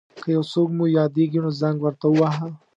که یو څوک مو یاديږي نو زنګ ورته وواهه.